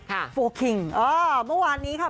โฟลคิงเออเมื่อวานนี้ค่ะ